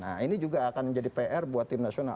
nah ini juga akan menjadi pr buat tim nasional